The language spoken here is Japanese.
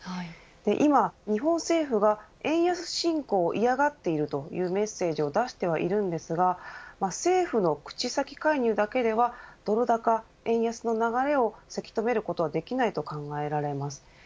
今、日本政府が円安進行を嫌がっているというメッセージを出してはいるんですが政府の口先介入だけではドル高円安の流れをせき止めることはできないと考えられます。